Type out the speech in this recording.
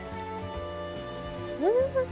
うん！